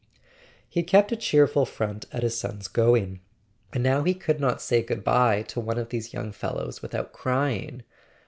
He had kept a cheerful front at his son's going; and now he could not say goodbye to one of these young fellows without crying.